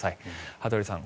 羽鳥さん